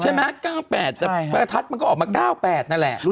ใช่ไหม๙๘แต่ประทัดมันก็ออกมา๙๘นั่นแหละ